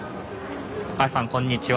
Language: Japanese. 高橋さんこんにちは。